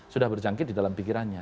sudah berjangkit di dalam pikirannya